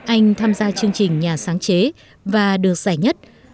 anh tham gia chương trình nhà sáng chế và được giải nhất